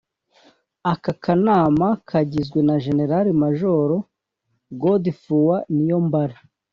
Aka kanama kagizwe na General Major Godefroid Niyombare